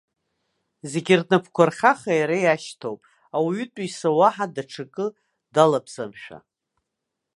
Зегьы рнапқәа рхаха иара иашьҭоуп, ауаҩытәыҩса уаҳа даҽакы далабзамшәа!